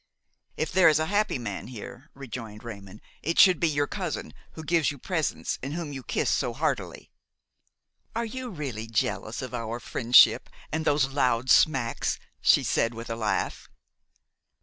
"If there is a happy man here," rejoined Raymon, "it should be your cousin, who gives you presents and whom you kiss so heartily." "Are you really jealous of our friendship and of those loud smacks?" she said with a laugh.